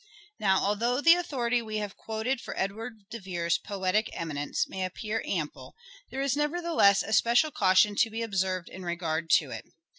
Now although the authority we have quoted for Literary Edward de Vere's poetic eminence may appear ample there is nevertheless a special caution to be observed in regard to it.